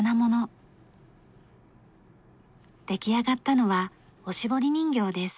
出来上がったのはおしぼり人形です。